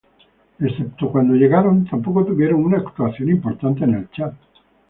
Excepto cuando llegaron, tampoco tuvieron una actuación importante en el chat.